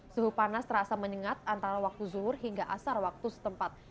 suhu panas terasa menyengat antara waktu zuhur hingga asar waktu setempat